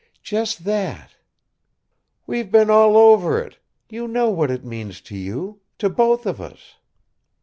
"Just that." "We've been all over it! You know what it means to you to both of us."